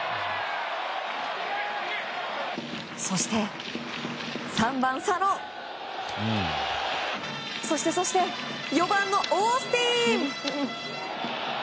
そして３番、佐野そしてそして４番のオースティン。